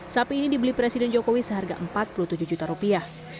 sapi ini dibeli presiden jokowi seharga empat puluh tujuh juta rupiah